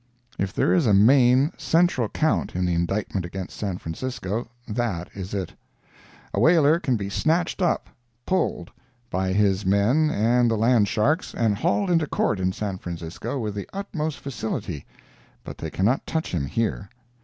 If there is a main, central count in the indictment against San Francisco that is it. A whaler can be snatched up ("pulled") by his men and the land sharks, and hauled into Court in San Francisco with the utmost facility, but they can not touch him here.